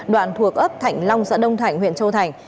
đoạn thuộc ấp thảnh long xã đông thảnh huyện châu thành